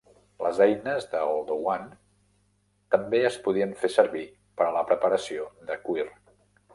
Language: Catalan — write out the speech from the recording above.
Les eines de Oldowan també es podien fer servir per a la preparació de cuir.